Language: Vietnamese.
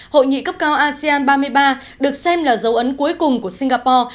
hội nghị cấp cao asean ba mươi ba được xem là dấu ấn cuối cùng của singapore